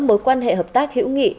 mối quan hệ hợp tác hữu nghị